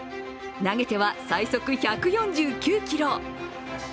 投げては最速１４９キロ。